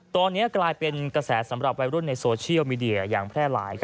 ตอนนี้กลายเป็นกระแสสำหรับวัยรุ่นในโซเชียลมีเดียอย่างแพร่หลาย